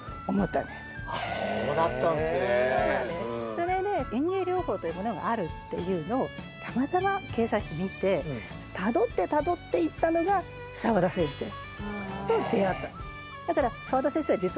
それで園芸療法というものがあるっていうのをたまたま掲載誌で見てたどってたどっていったのが澤田先生と出会ったんです。